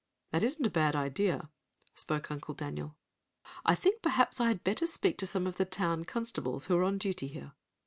"That isn't a bad idea," spoke Uncle Daniel. "I think perhaps I had better speak to some of the town constables who are on duty here."